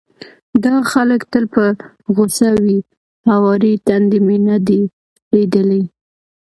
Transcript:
دا خلک تل په غوسه وي، هوارې ټنډې مې نه دي ليدلې،